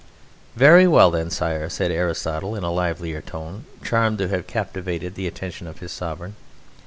"Very well then, sire," said Aristotle in a livelier tone, charmed to have captivated the attention of his Sovereign.